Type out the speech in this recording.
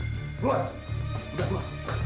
udah keluar ayo